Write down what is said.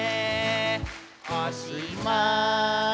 「おしまい」